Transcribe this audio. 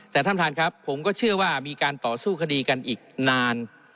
แต่ท่านประธานครับผมก็เชื่อว่ามีการต่อสู้คดีกันอีกนาน